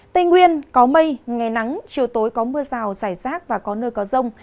tây nguyên có mây ngày nắng chiều tối có mưa rào rải rác và có nơi có rông